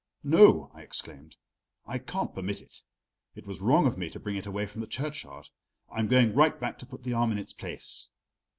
"No," I exclaimed, "I can't permit it. It was wrong of me to bring it away from the churchyard. I'm going right back to put the arm in its place."